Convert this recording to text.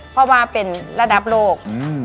เพราะว่าเป็นระดับโลก